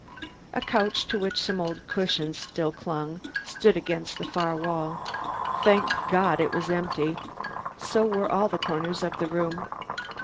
A couch to which some old cushions still clung stood against the farther wall. Thank God! it was empty; so were all the corners of the room.